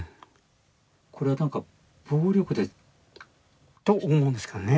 これは何か暴力で。と思うんですけどね。